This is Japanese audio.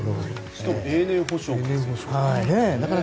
しかも永年保証で。